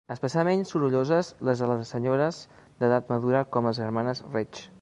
Especialment sorolloses les de les senyores d'edat madura com les germanes Reig.